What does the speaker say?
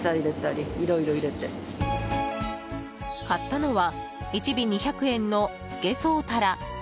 買ったのは１尾２００円のスケソウタラ。